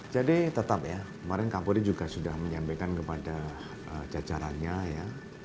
jadi tetap ya kemarin kak polri juga sudah menyampaikan kepada jajarannya ya